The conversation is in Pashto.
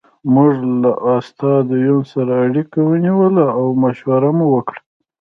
موږ له استاد یون سره اړیکه ونیوله او مشوره مو وکړه